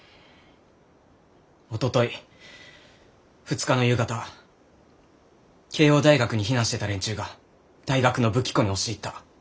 おととい２日の夕方慶應大学に避難してた連中が大学の武器庫に押し入った。